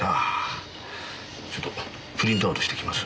ちょっとプリントアウトしてきます。